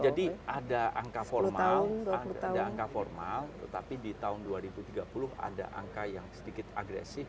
jadi ada angka formal tapi di tahun dua ribu tiga puluh ada angka yang sedikit agresif